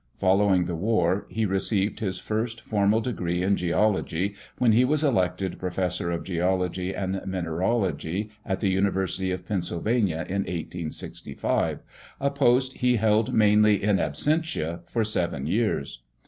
Following the War he received his first formal degree in geology when he was elected Professor of Geology and Mineralogy at the University of Pennsylvania in 1865, a post he held mainly in absentia for 7 years.